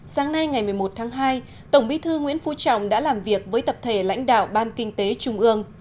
sáng nay ngày một mươi một tháng hai tổng bí thư nguyễn phú trọng đã làm việc với tập thể lãnh đạo ban kinh tế trung ương